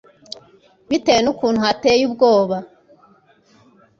bitewe n'ukuntu hateye ubwoba,